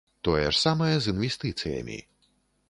Тое ж самае з інвестыцыямі.